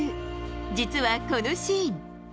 実は、このシーン。